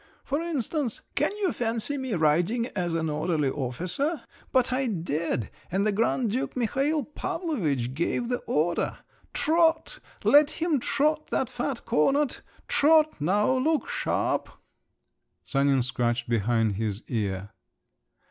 For instance, can you fancy me riding as an orderly officer? But I did, and the Grand Duke Mihail Pavlovitch gave the order, "Trot! let him trot, that fat cornet! Trot now! Look sharp!" Sanin scratched behind his ear.